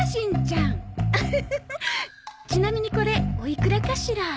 ちなみにこれおいくらかしら？